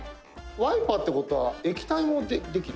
「ワイパーって事は液体もできる？」